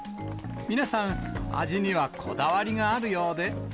皆さん、味にはこだわりがあるよ